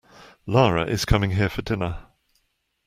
Lara is coming here for dinner.